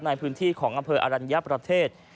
ในพื้นที่ของอำเภออรัญญประเทศ